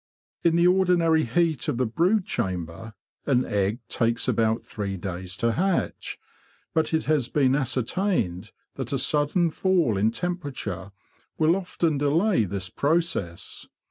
In the ordinary heat of the brood chamber an egg takes about three days to hatch, but it has been ascertained that a sudden fall in temperature will often delay this process.